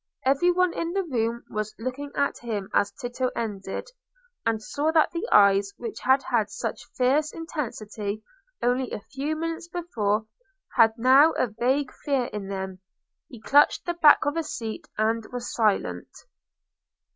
Every one in the room was looking at him as Tito ended, and saw that the eyes which had had such fierce intensity only a few minutes before had now a vague fear in them. He clutched the back of a seat, and was silent.